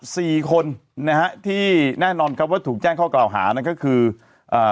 สี่คนนะฮะที่แน่นอนครับว่าถูกแจ้งข้อกล่าวหานั่นก็คืออ่า